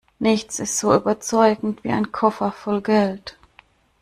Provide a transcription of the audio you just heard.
Nichts ist so überzeugend wie ein Koffer voll Geld.